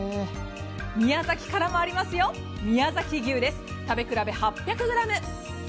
宮崎からもありますよ、宮崎牛です、食べ比べ８００ｇ。